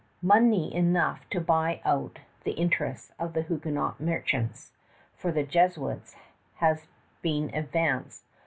Money enough to buy out the interests of the Huguenot merchants for the Jesuits has been advanced.